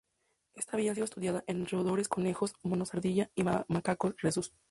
Esta vía ha sido estudiada en roedores, conejos, monos ardilla y macacos rhesus.